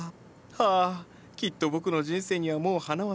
はあきっと僕の人生にはもう花は咲かない。